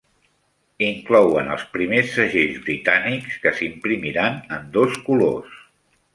Inclouen els primers segells britànics que s'imprimiran en dos colors.